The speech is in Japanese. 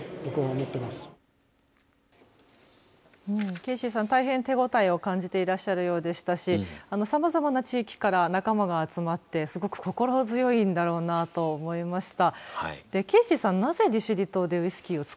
ケイシーさん、大変手応えを感じていらっしゃるようでしたしさまざまな地域から仲間が集まってすごく心強いんだろうなと思いました。